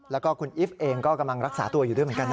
แล้วก็คุณอีฟเองก็กำลังรักษาตัวอยู่ด้วยเหมือนกันนะ